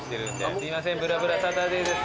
すいません『ぶらぶらサタデー』です。